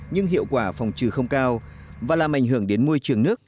nhưng hiệu quả phòng trừ không cao và làm ảnh hưởng đến môi trường nước